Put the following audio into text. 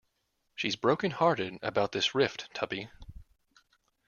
She's broken-hearted about this rift, Tuppy.